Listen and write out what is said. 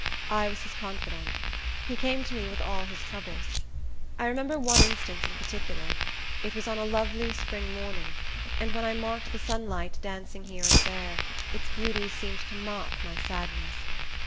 I was his confidant. He came to me with all his troubles. I remember one instance in particular. It was on a lovely spring morning, and when I marked the sunlight dancing here and there, its beauty seemed to mock my sadness.